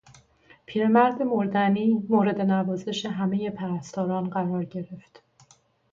پیرمرد مردنی مورد نوازش همهی پرستاران قرار گرفت.